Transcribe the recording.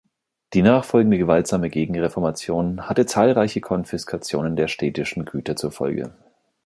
Die nachfolgende gewaltsame Gegenreformation hatte zahlreiche Konfiskationen der städtischen Güter zur Folge.